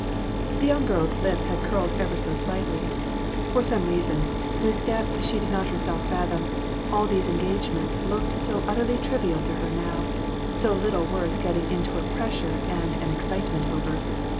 The young girl's lip had curled ever so slightly. For some reason, whose depth she did not herself fathom, all these engagements looked so utterly trivial to her now ; so little worth getting into a pressure and an excitement over.